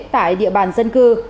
tại địa bàn dân cư